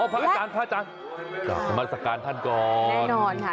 อ๋อพระอาจารย์พระอาจารย์จากมันศักรรณ์ท่านก่อนแน่นอนค่ะ